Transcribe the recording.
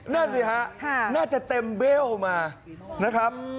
นั่นสิฮะน่าจะเต็มเบลมานะครับ